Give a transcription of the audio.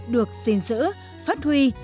được xin giữ phát huy